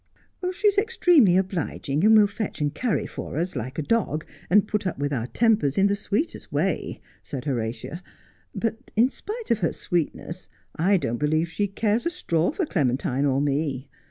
' She is extremely obliging, and will fetch and carry for us like a dog, and put up with our tempers in the sweetest way,' said Horatia, ' but, in spite of her sweetness, I don't believe she cares a straw for Clementine or me.